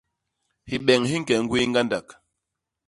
Hibeñ hi ñke ñgwéé ñgandak.